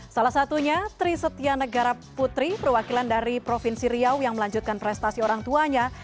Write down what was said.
salah satunya trisetia negara putri perwakilan dari provinsi riau yang melanjutkan prestasi orang tuanya